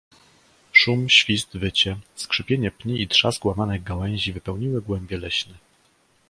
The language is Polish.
"Szum, świst, wycie, skrzypienie pni i trzask łamanych gałęzi wypełniły głębie leśne."